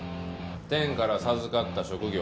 天から授かった職業。